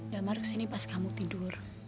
damar kesini pas kamu tidur